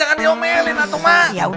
aku akan diomelin